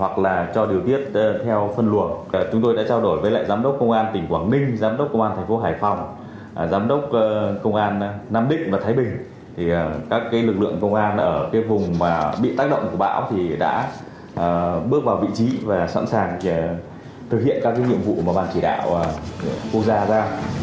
các lực lượng công an ở vùng bị tác động của bão đã bước vào vị trí và sẵn sàng thực hiện các nhiệm vụ mà bàn chỉ đạo quốc gia ra